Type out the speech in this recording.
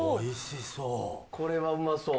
これはうまそう。